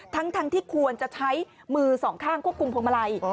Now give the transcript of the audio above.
ทั้งที่ควรจะใช้มือสองข้างควบคุมพวงมาลัย